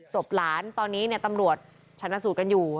ศพหลานตอนนี้ตำรวจชนะสูตรกันอยู่